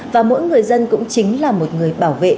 và mỗi người dân cũng chính là một người bảo vệ